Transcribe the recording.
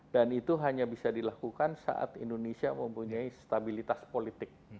dan itu hanya bisa dilakukan saat indonesia mempunyai stabilitas politik